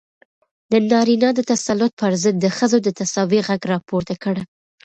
د نارينه د تسلط پر ضد د ښځو د تساوۍ غږ راپورته کړ.